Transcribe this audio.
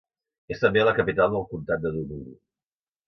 És també la capital del comtat de Dublín.